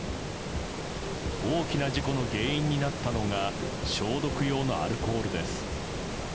大きな事故の原因になったのが消毒用のアルコールです。